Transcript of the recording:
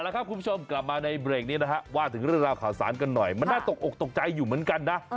แล้วครับคุณผู้ชมกลับมาในเบรกนี้นะฮะว่าถึงเรื่องราวข่าวสารกันหน่อยมันน่าตกอกตกใจอยู่เหมือนกันนะ